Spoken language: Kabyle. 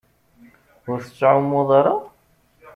Ur tettɛummuḍ ara?